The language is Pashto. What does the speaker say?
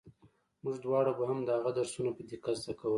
موږ دواړو به هم د هغه درسونه په دقت زده کول.